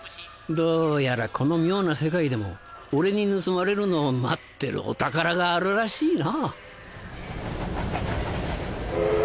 どうやらこの妙な世界でも俺に盗まれるのを待ってるお宝があるらしいな